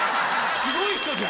すごい人じゃん。